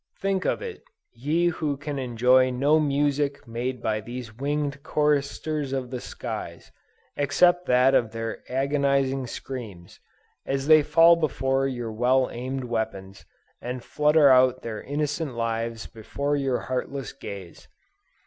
Think of it, ye who can enjoy no music made by these winged choristers of the skies, except that of their agonizing screams, as they fall before your well aimed weapons, and flutter out their innocent lives before your heartless gaze!